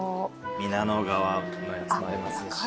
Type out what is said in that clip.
男女川のやつもありますし。